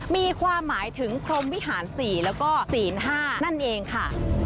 มีความหมายถึงพรมวิหาร๔แล้วก็ศีล๕นั่นเองค่ะ